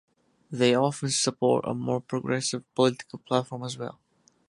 They often support a more progressive political platform as well.